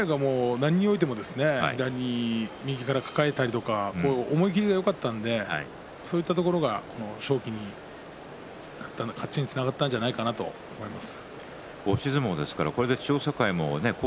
千代栄何においても左から抱えたりとか思い切りがよかったのでそういったところが勝機につながったのかなと思います。